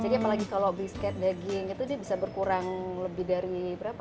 jadi apalagi kalau biskuit daging itu dia bisa berkurang lebih dari berapa lah ya